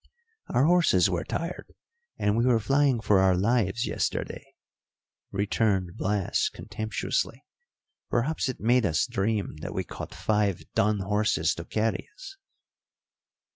"Our horses were tired and we were flying for our lives yesterday," returned Blas contemptuously. "Perhaps it made us dream that we caught five dun horses to carry us."